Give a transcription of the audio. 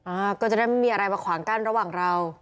อ่าก็จะได้ไม่มีอะไรมาขวางกั้นระหว่างเรา